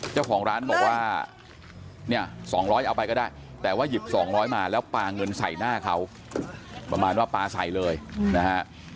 เจ้าของร้านบอกว่าเนี่ย๒๐๐เอาไปก็ได้แต่ว่าหยิบ๒๐๐มาแล้วปลาเงินใส่หน้าเขาประมาณว่าปลาใส่เลยนะฮะ